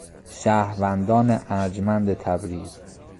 شهروندان ارجمند تبریز